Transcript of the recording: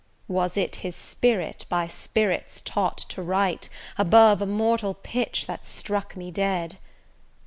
Was it his spirit, by spirits taught to write, Above a mortal pitch, that struck me dead?